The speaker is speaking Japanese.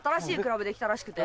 できたらしくて。